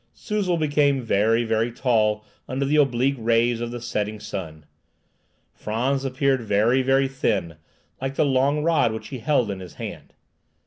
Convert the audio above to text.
Suzel became very, very tall under the oblique rays of the setting sun. Frantz appeared very, very thin, like the long rod which he held in his hand.